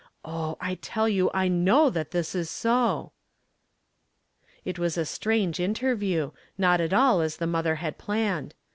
Oh, I tell you I know that this is so !" It was a strange interview, not at all as the mother had planned.